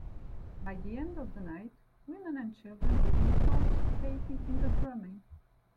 By the end of the night, women and children begin participating in the drumming.